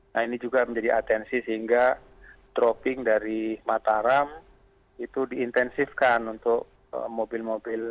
nah ini juga menjadi atensi sehingga dropping dari mataram itu diintensifkan untuk mobil mobil yang membawa air bersih